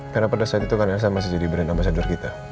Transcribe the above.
karena pada saat itu kan elsa masih jadi brand ambasador kita